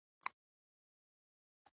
د خطر زنګونو شور بګت جوړ کړی و.